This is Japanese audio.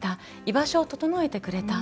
居場所を整えてくれた。